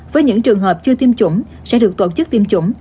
với những trường hợp chưa tiêm chủng sẽ được tổ chức tiêm chủng